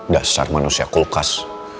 dasar manusia kulkas